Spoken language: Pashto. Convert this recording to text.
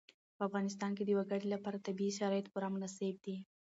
په افغانستان کې د وګړي لپاره طبیعي شرایط پوره مناسب دي.